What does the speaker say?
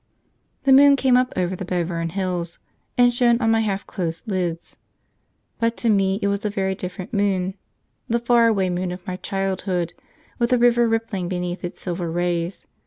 The moon came up over the Belvern Hills and shone on my half closed lids; but to me it was a very different moon, the far away moon of my childhood, with a river rippling beneath its silver rays.